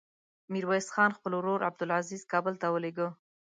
ميرويس خان خپل ورور عبدلعزير کابل ته ولېږه.